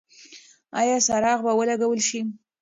ایا څراغ به ولګول شي؟